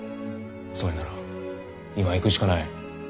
それなら今行くしかない。